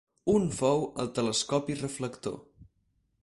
Un fou el telescopi reflector.